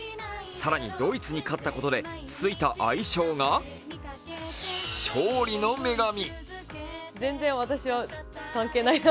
更に、ドイツに勝ったことでついた愛称が勝利の女神。